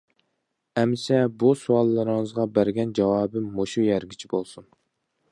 ئەمىسە بۇ سوئاللىرىڭىزغا بەرگەن جاۋابىم مۇشۇ يەرگىچە بولسۇن.